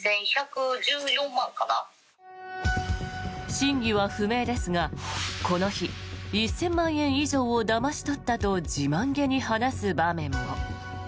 真偽は不明ですがこの日、１０００万円以上をだまし取ったと自慢げに話す場面も。